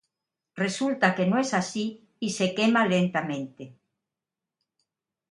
Resulta que no es así y se quema lentamente.